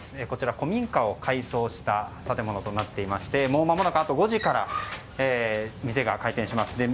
こちら古民家を改装した建物になっていましてもうまもなく、５時から店が開店します。